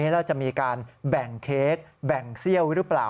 แล้วจะมีการแบ่งเค้กแบ่งเซี่ยวหรือเปล่า